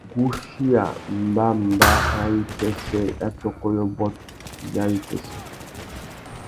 Wuguchia mbămbá râ ibāwipêssê ya tôkô yôbôt ya wipêssê.